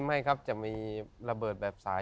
ไม่ครับจะมีระเบิดแบบสาย